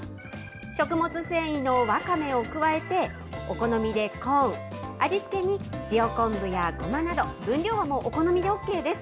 食物繊維のわかめを加えて、お好みでコーン、味付けに塩昆布やごまなど、分量はもう、お好みでＯＫです。